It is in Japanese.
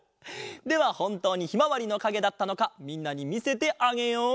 ではほんとうにひまわりのかげだったのかみんなにみせてあげよう！